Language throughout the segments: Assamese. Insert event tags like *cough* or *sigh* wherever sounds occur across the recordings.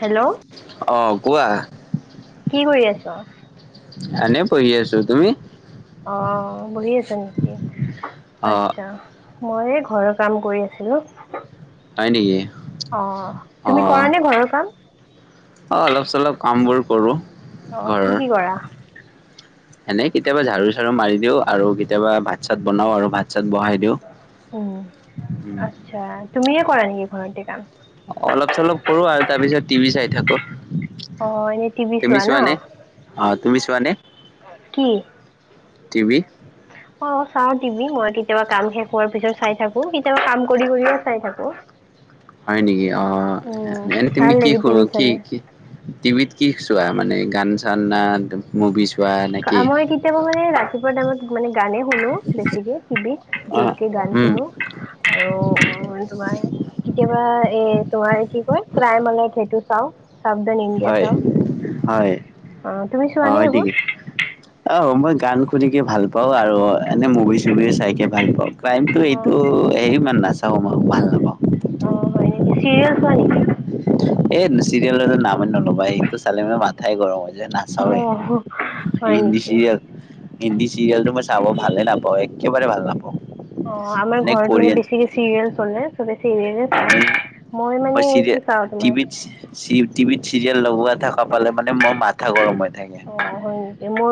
হেল্ল' অ' কোৱা *inaudible* কি কৰি আছ এনে পঢ়ি আছো তুমি অ বহি আছা নেকি *inaudible* অ' আত্ছা মই ঘৰৰ কাম কৰি আছিলো হয় নেকি *inaudible* অ তুমি অ' কৰা নে ঘৰৰ কাম অ অলপ চলপ কাম বোৰ কৰো অ কি ঘৰৰ কি কৰা *inaudible* এনে কেতিয়াবা ঝাৰু চাৰু মাৰি দিওঁ আৰু কেতিয়াবা ভাত চাত বনাও আৰু ভাত চাত বহাই দিও উম আচ্ছা তুমিয়ে কৰা নেকি ঘৰটে কাম অলপ চলপ কৰো আৰু তাৰ পিছত টিভি চাই থাকো অ এনেই টিভি তুমি চোৱা ন চোৱানে অ তুমি চোৱা নে কি *inaudible* টিভি অ চাও টভি মই কেতিয়াবা কাম শেষ হোৱাৰ পিছত চাই থাকো কেতিয়াবা কাম কৰি কৰিয়ে চাই থাকো *inaudible* হয় নেকি অ উম এনে তুমি ভাল কি লাগে টিভি কি চালে। কি টিভিত কি চোৱা মানে গান চান না মুভি চোৱা নেকি মই কেতিয়াবা মানে ৰাতিপুৱা টাইমত মানে গানে শুনো বেছিকে টিভিত অ' যতকে গান উম শুনো আৰু উ তোমাৰ কেতিয়াবা এ তোমাৰ কি কয় প্ৰাই মানে সেইটো চাও সাবধান ইণ্ডিয়া হয় চাও হয় *inaudible* অ তুমি চোৱা নে এইবোৰ আহ মই গান শুনিকে ভাল পাওঁ আৰু এনে মুভি চুভি চাইকে ভাল পাওঁ কাইমটো অ এইটো হেৰি ইমান নাচাও ম আৰু ভাল নাপাওঁ অ হয় নেকি চিৰিয়েল চোৱা নেকি এই চিৰিয়েল এটো নামে নল'বা সেটো চালি মে মাথাই গৰম হৈ যায় না অ হয় নেকি *unintelligible* হিন্দী চিৰিয়েলটো মই চাব ভালে নাপাওঁ একেবাৰে ভাল নাপাওঁ অ আমাৰ এনে ঘৰত মানে কোৰিয়ান বেচিকে চিৰিয়েল চলে চব এই চিৰিয়েল মই মানে এইটো চাওঁ তোমাৰ *unintelligible* টিভিত চিৰিয়েল লগোৱা থকা পালে মানে মই মা *unintelligible* গৰম হৈ থাকে অ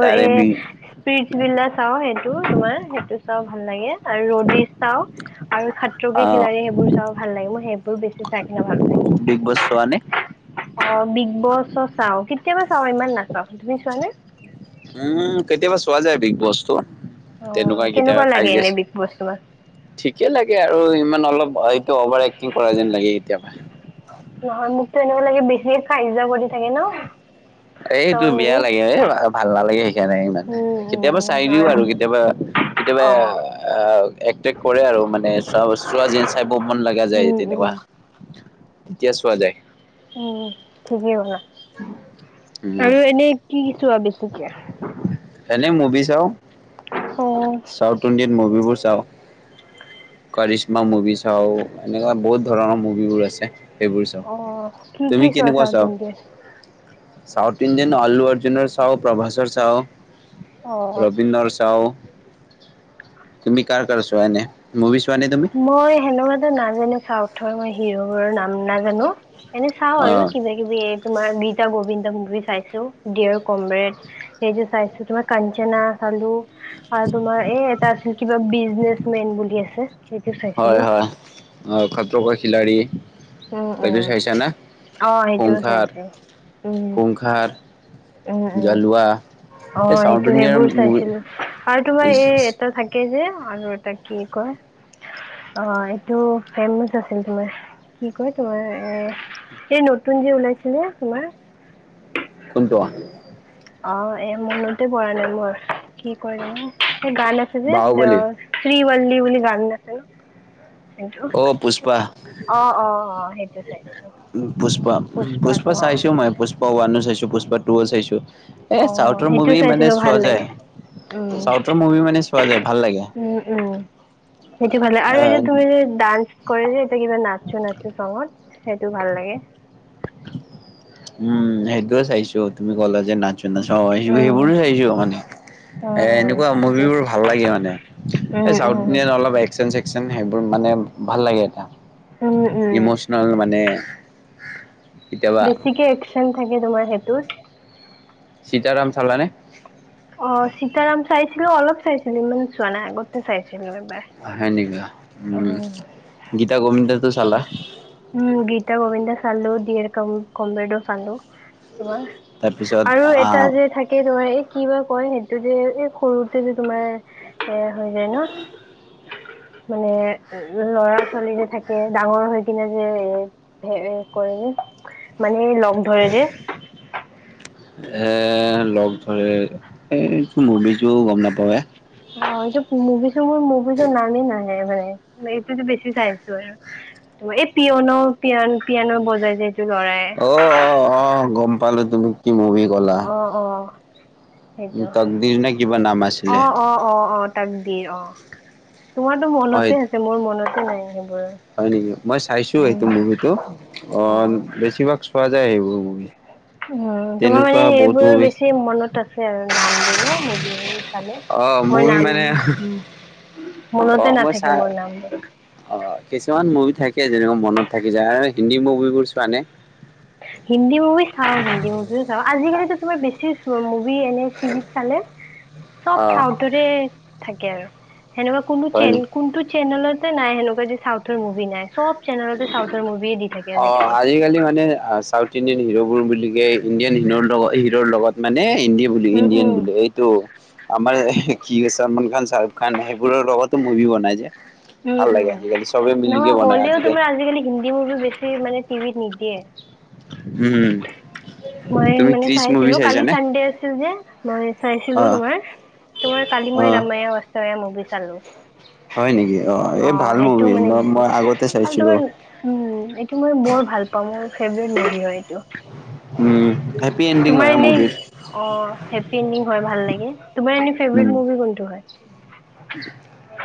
তাৰে বি ফিচ বিলা চাওঁ সেইটো তোমাৰ সেইটো চাওঁ ভাল লাগে আৰু ৰ'ড চাওঁ আৰু সাত্ৰক অ', খিলাাৰী সেইবোৰ চাও ভাল লাগে মই সেইবোৰ বেছি চাই খনে ভাল পাওঁ বিগ বছ চোৱা নে অ বিগ বছ চাওঁ কেতিয়াবা চাও ইমান নাচাও তুমি চোৱানে উম কৈতিয়া বছোৱা যায় বিগ বছটো অ তেনেকুৱা কেতিয়াবা কেনেকুৱা লাগে কাজিয়া এনে বিষ বস্তু মান ঠিকে লাগে আৰু, ইমান অলপ এইটো অভাৰ এক্টিং কৰা যেন লাগে কেতিয়াবা। নহয় মোকতো এনেকুৱা লাগে বেছি দে সাহ্য কৰি থাকে ন? এইটো চবে বেয়া মিলি লাগে এ ভাল নালাগে সেইকাৰণে ইমানে। উম কেতিয়াবা উম চাই হয় দিওঁ আৰু হয় কেতিয়াবা কেতিয়াবা অ আহ একটেক কৰে আৰু মানে চোৱা বতা চোৱা যেন চাই ব মন লগা যায় উম উম তেনেকুৱা, তেতিয়া চোৱা যায়। উম ঠিকেই ক'লা, উম, আৰু এনেই কি কিছো আৰু বেছিকে? এনেই মুভি চাওঁ। অ ছাউথ ইণ্ডিয়ান মুভিবোৰ চাওঁ। কৰিশ্মা মুভি চাওঁ এনেকুৱা বহুত ধৰণৰ মুভিবোৰ আছে। সেইবোৰ চাওঁ, অ কি কি তুমি চোৱা কেনেকুৱা চাউথ ইণ্ডিয়ান চোৱা? ছাউথ ইণ্ডিয়ান আলু অৰ্জুনৰ চাওঁ, প্ৰভাসৰ চাওঁ, অ ৰবীন্দ্ৰৰ চাওঁ তুমি কাৰ কাৰ ছোৱা এনে, মভিছোৱা নে তুমি? মই সেনেকুৱাকৃ নাজানো ছাউথৰ মই হি'ৰবোৰৰ নাম নাজানো এনে চাওঁ আৰু কিবা। কিবি তোমাৰ গীতা গোবিন্দ মুভি চাইছো, ডিয়ৰ কমৰেড এইটো চাইছো, তোমাৰ কাঞ্চনা চালো আৰু তোমাৰ এ এটা আছিল কিবা বিজনেচ মেন বুলি আছে সেইটো চাইছিলো হয়, হয় অ' খত্ৰো কা খিলা়ৰী উম এইটো উম চাইছা নে অ সেইটোও খুংখৰ চাইছো উম খুংখাৰ। উম উম জলোৱা অ' সেইটো সেইবোৰ চাইছিলো, আৰু তোমাৰ এই এটা থা কে যে আৰু এটা কি কয় অ এইটো ফেমাচ আছিল তোমাৰ কি কয় তোমাৰ এ এই নতুন যে ওলাইছিলে তোমাৰ কোনটোৱা অ' এ মনতে পৰা নাই মোৰ কি কৰে গান আছে যে তেওঁ শ্ৰীৱল্লী বুলি গান আছে হেইটো। পুষ্পা। অ', অ', অ' সেইটো চাইছো। পুষ্পা পুষ্পা চাইছো মই, পুষ্পা ওৱানো চাইছোঁ পুষ্পা টুও চাইছোঁ। এই অ ছাউথৰ সেইটো মুভি মানে চাইছিলো ভাল চোৱা যায়। লাগে উম ছিউথৰ মুভি মানে চোৱা যায় ভাল লাগে। উম উম সেইটো ভাল লাগে আৰু এই যে তুমি যে ডান্স কৰে যে এতিয়া কিবা নাচ' নাচ' সংত সেইটো ভাল লাগে। উম সেইটোয়ে চাইছো তুমি ক'লা যে নাচো নাচ' উম সেইবোৰো চাইছো মানে। এ উম উম এনেকুৱা সেইটো মুভিবোৰ ভাল লাগে মানে উম ছাউথ উম ইণ্ডিয়ান অলপ এক শ্যন সেইবোৰ মানে ভাল লাগে এতিয়া। উম, উম। নহ'লে মানে কেতিয়াবা বেছিকে একশ্যন থাকে তোমাৰ সেইটোত। সীতাৰাম চালানে! অ' সীতাৰাম চাইছিলো অলপ চাইছিলো ইমান চোৱা নাই আগতে চাইছিলো এবাৰ। সেনেকুৱা উম গীতা গবিন্দা? হয়। উম গীতা গোবিন্দা চালো ডিয়েৰ ক কম্ৰেদো চালো তোমাৰ। তাৰপিছত আৰু এটা আহ যে থাকে তোমাৰ এই কি বা কয় সেইটো যে এই সৰুতে যে তোমাৰ এ হৈ যায় ন মানে ল'ৰা ছোৱালীযে থাকে ডাঙৰ হৈ কিনে যে এ হে কৰে যে মানে ল উম *unintelligible* অ *unintelligible* এ লগ ধৰে এই মুভিটো গ'ম নাপাওঁৱে। অ' এইটো মুভি চ মোৰ মুভিছ নামেই নাহে মানে এইটোতো বেছি চাই আছো আৰু। ত' এই পিয়নো' পিয়ন-পিয়ানো বজাই যে এইটো ল'ৰাই। অ', অ', অ', গম পালোঁ তুমি কি মুভি ক'লা। অ', অ'। সেইটো তকদিৰ নে কিবা নাম আছিলে। অ', অ', অ', ত কদিৰ অ'। তোমাৰতো হয় মনতে আছে মোৰ মনতে নাই সেইবোৰ। হয় নেকি? মই চাইছোঁ উম, সেইটো মুভিটো অ', বেছিভাগ চোৱা যায় সেইবোৰ মুভি। উম, তোমাৰ তেনেকুৱা মানে বহুত সেইবোৰ মুভি বেছি মনত আছে আৰু নামবোৰ ন *unintelligible* চালে, অ' মোৰ মুভি নাম মানে অ' মনতে মই চা নাথাকে মোৰ নামবোৰ। অ', কিছুমান মুভি থাকে যেনেকুৱা মনত থাকি যায় আৰু হিন্দী মুভিবোৰ চোৱানে? হিন্দী মুভি চাওঁ, হিন্দী মুভিও চাওঁ। আজিকালিটো তোমাৰ বেছি মুভি এনে টিভিত চালে চব অ' চাওঁ। থাকে আৰু, সেনেকুৱা কোনো হয় নি? চেন কোনটো চেনেলতে নাই সেনেকা চাউথৰ মুভি নাই, চব চেনেলতে চাউথৰ মুভিয়ে দি থাকে অ' আজিকালি। আজিকালি মানে ইণ্ডিয়ান হিৰ'বোৰ বুলিকে ইণ্ডিয়ান হিৰো হিৰ'ৰ লগত মানে হিন্দী বুলি উম ইণ্ডিয়ান বুলি উম এইটো। আমাৰ কি ছলমান খান, চাৰুক খান সেইবোৰৰ লগতো মুভি বনাই যায়। উম উম ভাললাগে আজিকালি, চবে মিলি নহয় বনায় হ'লেও তোমাৰ আজিকালি। হিন্দী মুভি বেছি মানে টিভিত নিদিয়ে। উম। মই তুমি মানে ক্ৰিচ মুভি চাইছিলোঁ, কালি চাইছানে? চানডে আছিল যে মই চাইছিলোঁ অ' তোমাৰ। তোমাৰ কালি মই অ' ৰামায়াৱাস্তবায়া মুভি চালোঁ। হয় নেকি? এই অ', ভাল সেইটো মুভি মানে মই দিছিল মই আগতে আৰু চাইছিলোঁ। তোমাৰ উম' এইটো মই বৰ ভাল পাওঁ মোৰ ফেভৰেট মভি হয়, এইটো। উম। হেপী এণ্ডিং তোমাৰ হয় এনে মুভিৰ। অ', হেপ্পী এণ্ডিং হয়, ভাললাগে উম, মভী কোনটো হয়?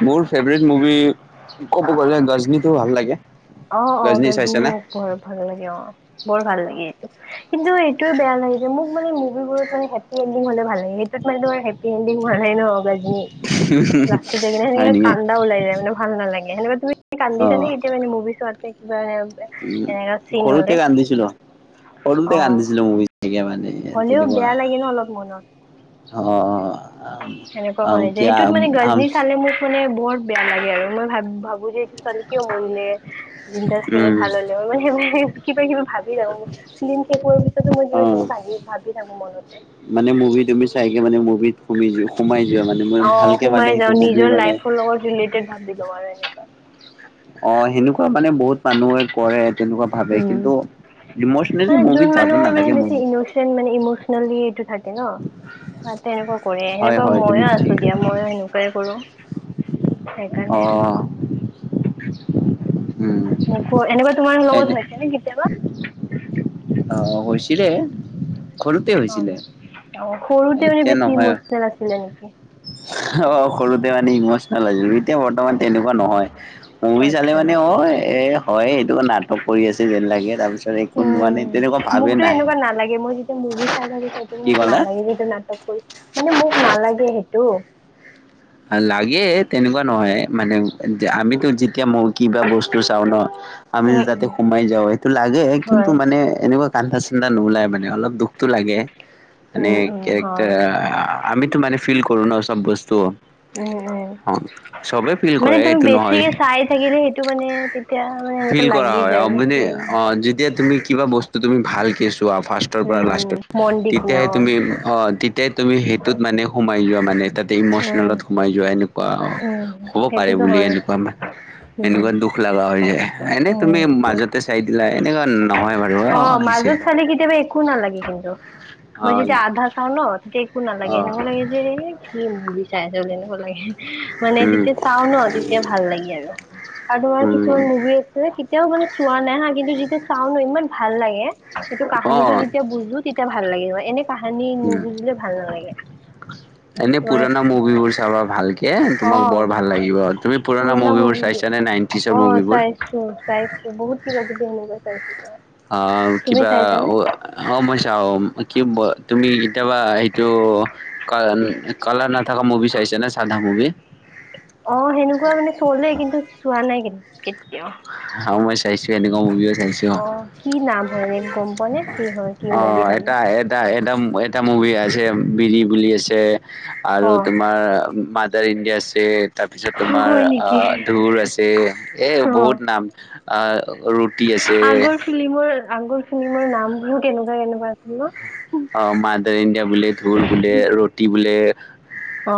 মোৰ ফেভৰেট মুভি ক'ব গ'লে গজনীতটো ভাল লাগে। অ', অ', গজনী গাজনি চাইছানে? মোক বৰ ভাল লাগে। অ', বৰ ভাল লাগে এইটো। কিন্তু এইটোয়ে বেয়া লাগে মানে মুভিবোৰত মানে হেপ্পী এণ্ডিং হ'লে ভাললাগে সেইটোত মানে হেপ্পি হেপ্পী এণ্ডিং হোৱা নাই ন গজনী, লাষ্টত কিনে হয় সেনেকে নেকি? কান্দা ওলাই যায় মানে ভাল নালাগে, সেনেকুৱা তুমি অ', কান্দিছানে কেতিয়া মানে মুভি চোৱাতে কিবা উম, এনেকা চিন হলে? সৰুতে কান্দিছিলোঁ, অ সৰুতে কান্দিছিলোঁ মোৰ মুভি চাই মানে। হ'লেও তেনেকুৱা বেয়া লাগে ন' অলপ মনত। অ', অ', আও আও কিয়া আও শুনি বৰ বেয়া লাগে আৰু মই ভাব- ভাবো যে ছোৱালী কিয় মৰিলে, জিন্দা থাকিলে উম। ভাল হ'লে হয়, মই মানে কিবা-কিবি ভাবি থাকোঁ। ফিল্ম শেষ হোৱাৰ পিছতো মই অ', কিবা-কিবি ভাব-ভাবি থাকোঁ মনতে। মানে মুভি তুমি চাইগে মানে মুভিত তুমি যোৱা, সোমাই যোৱা মানে মোৰ অ ভালকে মানে সোমাই সেইটো যাওঁ মুভিৰ নিজৰ মানে লাইফৰ লগত ৰিলেটেড ভাৱি লওঁ আৰু এনেকা। অ', সেনেকুৱা মানে বহুত মানুহে কৰে, তেনেকুৱা ভাবে উম কিন্তু ইমচনেল যোন মানুহৰ মানে বেছি ইনচেন মানে ইমচনেলি এইটো থাকে ন'! তাতে তেনেকুৱা কৰে, হয় সেনেকুৱা হয় তুমি মইয়ো ঠিক আছোঁ দিয়া ময়ো সেনেকুৱাই কৰোঁ। অ সেইকাৰণে। উম মোকো, এনেকুৱা তোমাৰ এনে লগত হৈছে নে কেতিয়াবা? অ', হৈছিলে, সৰুতে হৈছিলে। অ', সৰুতে মানে এতিয়া বেছি নহয় ইমচনেল আছিলে নেকি? অ', সৰুতে মানে ইমচনেল *unintelligible* এতিয়া বৰ্তমান তেনেকুৱা নহয়। মুভি চালে আচ্ছা। মানে অ', এ, হয়, এইটো নাটক কৰি আছে যেন লাগে তাৰপিছত এনে উম, মোকতো সেনেকুৱা নালাগে মই যেতিয়া মুভি চাই থাকো চাই কি মোক ক'লা নালাগে যিটো নাটক মানে মোক নালাগে সেইটো। লাগে তেনেকুৱা নহয় মানে আমিতো যেতিয়া মই কিবা বস্তু চাওঁ ন আমি উম যাতে উম সোমাই যাওঁ সেইটো লাগে কিন্তু হয়। মানে এনেকুৱা কানদা-চানদা নোলায় মানে অলপ দুখটো লাগে মানে উম উম কেৰেক্টাৰ হয় আমিতো মানে ফিল কৰো ন চব বস্তু। উম, উম, অ চবে ফিল মানে কৰে তুমি এইটো নহয় বেছিকে চাই থাকিলে সেইটো মানে তেতিয়া মানে এনেক ফিল কৰা লাগি হয় অ যায় মানে যেম। অ যেতিয়া তুমি কিবা বস্তু তুমি ভালকে চোৱা ফাৰ্ষৰ উম পৰা উম লাষ্টত মন দি কিনা তেতিয়াহে অ। তুমি অ' তেতিয়া তুমি সেইটোত মানে সোমাই যোৱা মানে তাতে উম। ইমচনেলত সোমাই যোৱা এনেকুৱা উম হ'ব পাৰে সেইটোতো বুলি হয়। এনেকুৱা মানে উম। এনেকুৱা দুখ লগা হৈ যায় এনে উম তুমি মাজতে চাই দিলা এনেকুৱা নহয় বাৰু অ', হৈছে। কেতিয়াবা একো নালাগে কিন্তু অ মই যেতিয়া আধা চাওঁ ন তেতিয়া একো নালাগে অ এনেকুৱা লাগে যে কি মুভি চাই আছ বুলি এনেকুৱ লাগে মানে উম যেতিয়া চাও ন তেতিয়া ভাল লাগি আৰু। আৰু তোমাৰ উম কিছুমান মুভি আছে কেতিয়াও মানে চোৱা নাই হা কিন্তু যেতিয়া চাওঁ ন ইমান ভাল লাগে সেইটো অ কাহানীটো যেতিয়া বুজো তেতিয়া ভাল লাগে মানে এনে কাহানি উম নুবুজিলে ভাল নালাগে। এনে তোমাৰ পুৰণা মুভিবোৰ চাবা ভালকে অ তোমাক বৰ ভাল লাগিব তুমি পুৰণা মুভিবোৰ চাইছানে নাইনটিচৰ মুভিবোৰ? উম, চাইছো বহুত কিবা কিবি এনেকুৱা চাইছো তোমাৰ। অঁ', তুমি কিবা চাইছানে? অ', মই চাওঁ কি তুমি কেতিয়াবা সেইটো কালাৰ নাথাকা মুভি চাইছে ন সাধা মুভি? অ', সেনেকুৱা মানে চলে কিন্তু চোৱা নাই কেতিয়াও। অ মই চাইছো এনেকুৱা মুভিও চাইছো অ', কি নাম হয় এনে গম পোৱা নে কি হয় কি অ মুভি চানে? এটা এটা এটা এটা মুভি আছে বিৰি বুলি আছে। আৰু অ তোমাৰ মাদাৰ ইণ্ডিয়া আছে তাৰপিছত তোমাৰ হয় নেকি ঢুৰ আছে। এই অ বহুত নাম ৰুটি আছে। ফিলিমৰ আগৰ ফিলিমৰ নামবোৰ কেনেকুৱা কেনেকুৱা আছিল ন। অ', মা দৰ ইণ্ডিয়া বোলে ধোৰ বোলে ৰুটি বোলে। অ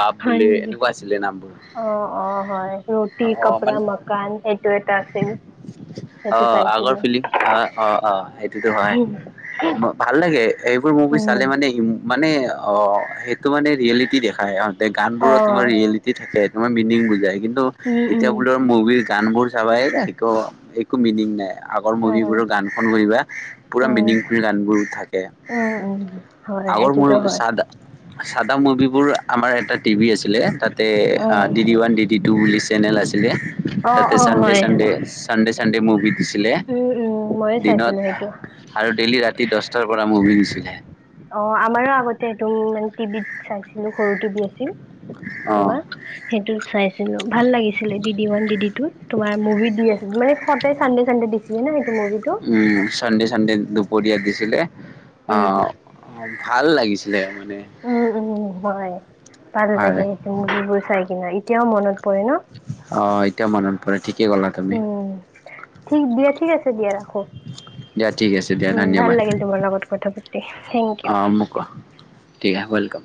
বাপ হয় বোলে নেকি এনেকুৱা আছিলে নামবোৰ। অ', অ', হয় ৰুটি অ কপ়ৰা মানে মকান সেইটো এটা আছিল। সেইটো অ', আগৰ চাইছিলো ফিলি অ', অ', অ', সেইটোতো হয় ভাল লাগে। এইবোৰ মুভি চালে উম মানে ই মানে অ', সেইটো মানে ৰিয়েলিটি দেখাই। গান অ বোৰত তোমাৰ ৰিয়েলিটি থাকে তোমাৰ মিনিং বুজাই কিন্তু উম এতিয়া উম বোলৰ মুভিৰ গান বোৰ চাবাই যে এক একো মিনিং নাই। আগৰ উম মুভিবোৰৰ গানখন কৰিবা পুৰা উম মিনিংফুল গানবোৰ থাকে। উম উম হয় আগৰ এইটোতো *unintelligible* হয় চাদা চাদা মুভিবোৰ আমাৰ এটা টিভি আছিলে তাতে উম ডি ডি ওৱান ডি দি টো বুলি চেনেল আছিলে অ তাতে অ চানডে হয় চানডে চানড চানডে মুভি দিছিল। উম উম ময়ো দিনত চাইছিলো সেইটো আৰু ডেইলি ৰাতি দহটাৰ পৰা মুভি *unintelligible* অ', আমাৰো আগতে একদম মানে টিভিত চাইছিলো সৰু টিভি আছিল। অ তোমাৰ সেইটোত চাইছিলো ভাল লাগিছিলে ডি ওৱান ডি টু তোমাৰ মুভি দি আছিল মানে সতে চান চনডে দিছিলি ন এইটো মুভি টো। উম, চানডে চানডে দুপৰীয়া দিছিলে। উম আহ ভাল লাগিছিলে মানে। হম উম উম হয় ভাল হয় লাগে সেইটো মুভিবোৰ চাই কিনে এতিয়াও মনত পৰে ন অ', এতিয়াও মনত পৰে ঠিকে ক'লা তুমি। উম ঠিক দিয়া ঠিক আছে দিয়া ৰাখোঁ। দিয়া ঠিক আছে দিয়া, ধন্যবাদ, তোমাৰ লগত কথা পাতি থেংক ইউ অ'। কোৱা টিৰা ৱেলকাম।